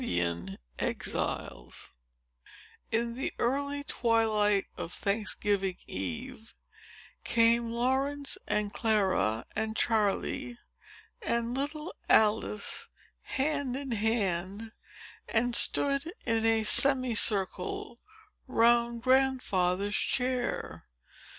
Chapter IX In the early twilight of Thanksgiving eve, came Laurence, and Clara, and Charley, and little Alice, hand in hand, and stood in a semi circle round Grandfather's chair.